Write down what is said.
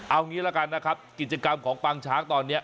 เอางี้ละกันนะครับกิจกรรมของปางช้างตอนนี้